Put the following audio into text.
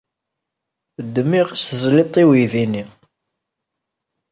Ddem iɣes tzellid-t i uydi-nni.